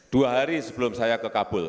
dua hari sebelum saya ke kabul